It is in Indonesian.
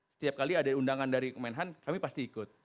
setiap kali ada undangan dari kemenhan kami pasti ikut